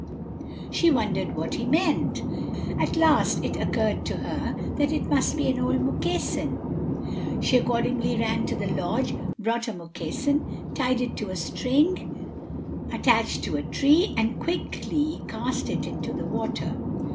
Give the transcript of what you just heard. She wondered what he meant. At last it occurred to her that it must be an old moccasin. She accordingly ran to the lodge, brought a moccasin, tied it to a string attached to a tree, and quickly cast it into the water.